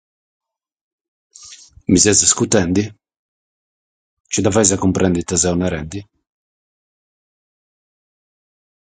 Su partidu prus mannu apronteit su cungressu.